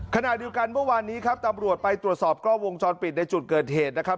ขณะเดียวกันเมื่อวานนี้ครับตำรวจไปตรวจสอบกล้องวงจรปิดในจุดเกิดเหตุนะครับ